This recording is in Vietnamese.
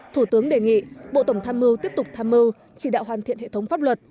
thủ tướng đề nghị bộ tổng tham mưu tiếp tục tham mưu chỉ đạo hoàn thiện hệ thống pháp luật